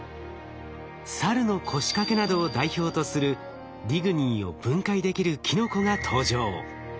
サルノコシカケなどを代表とするリグニンを分解できるキノコが登場。